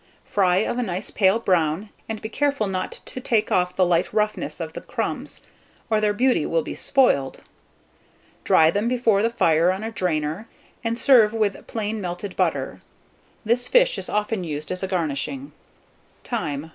Fry of a nice pale brown, and be careful not to take off the light roughness of the crumbs, or their beauty will be spoiled. Dry them before the fire on a drainer, and servo with plain melted butter. This fish is often used as a garnishing. Time.